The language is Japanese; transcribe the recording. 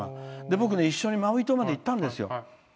僕ね、一緒にマウイ島まで行ったんですよ。